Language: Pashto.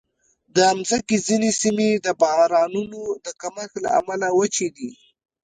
د مځکې ځینې سیمې د بارانونو د کمښت له امله وچې دي.